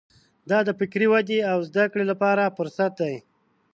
دا د فکري ودې او زده کړې لپاره فرصت دی.